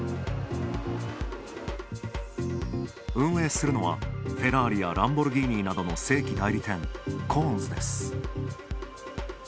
運営するのはランボルギーニなどの正規代理店、コーンズです。